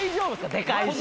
でかいし。